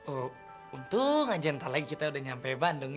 oh untung aja ntar lagi kita udah nyampe bandung ya